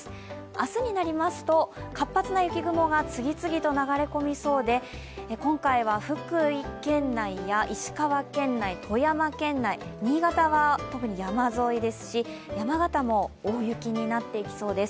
明日になりますと、活発な雪雲が次々と流れ込みそうで今回は福井県内や石川県内富山県内新潟は特に山沿いですし山形も大雪になっていきそうです。